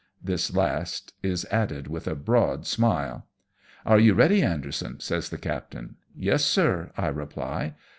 This last is added with a broad smile. "Are you ready, Anderson? " says the captain. "Yes, sir,^' I reply.